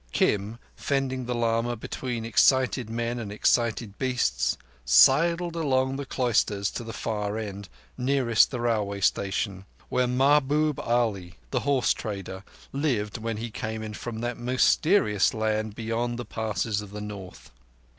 Kim, fending the lama between excited men and excited beasts, sidled along the cloisters to the far end, nearest therailway station, where Mahbub Ali, the horse trader, lived when he came in from that mysterious land beyond the Passes of the North.